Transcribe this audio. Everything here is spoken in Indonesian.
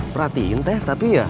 merhatiin teh tapi ya